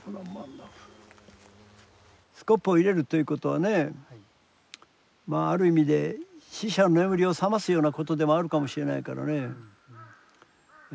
スコップを入れるということはねまあある意味で死者の眠りを覚ますようなことでもあるかもしれないからね。